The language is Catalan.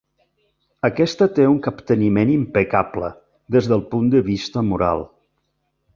Aquesta té un capteniment impecable, des del punt de vista moral.